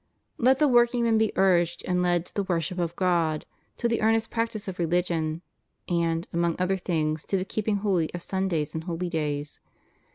Let the workingman be urged and led to the worship of God, to the earnest practice of religion, and, among other things, to the keeping holy of Sundays and holydays.